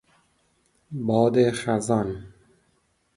باد خزان